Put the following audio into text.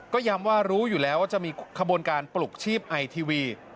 ก็ย้ำว่ารู้อยู่แล้วว่าจะมีขบวนการปลุกชีพไอทีวี